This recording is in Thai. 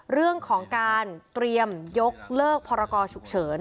เรื่องของการเตรียมยกเลิกพรกรฉุกเฉิน